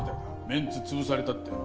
メンツ潰されたって。